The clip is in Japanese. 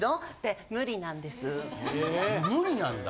・へぇ・無理なんだ？